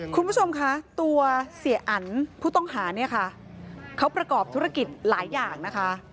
คุณผู้ชมคะตัวเสียอันผู้ต้องหาเนี่ยค่ะเขาประกอบธุรกิจหลายอย่างนะคะ